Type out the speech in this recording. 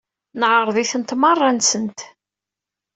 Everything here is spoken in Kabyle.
Neɛreḍ-itent merra-nsent.